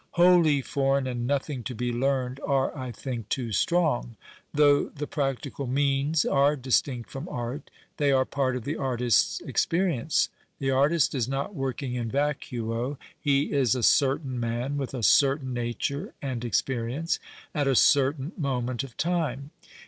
" Wholly foreign " and " nothing to he learned " arc, I think, too strong. Thougli I lu practical means arc distinct from art, they are |)art of the artist's experience. The artist is not working //j i'rt«/o. He 195 02 PASTICHE AND P 11 E J T 1) I C E is a certain man, with a certain nature and experi ence, at a certain moment of time.